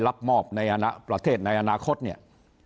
รับมอบในประเทศในอนาคตเนี่ย